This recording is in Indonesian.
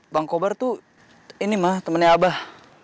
bang kobar tuh ini mah temennya abah